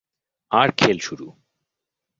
আর খেল শুরু।